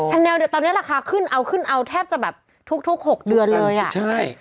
แนวเดี๋ยวตอนนี้ราคาขึ้นเอาขึ้นเอาแทบจะแบบทุกทุกหกเดือนเลยอ่ะใช่